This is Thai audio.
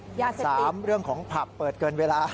ยาเสพติดสามเรื่องของผับเปิดเกินเวลา